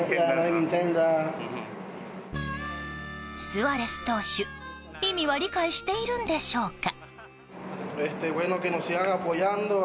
スアレス投手、意味は理解しているんでしょうか。